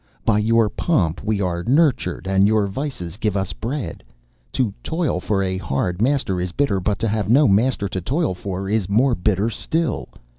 By your pomp we are nurtured, and your vices give us bread. To toil for a hard master is bitter, but to have no master to toil for is more bitter still.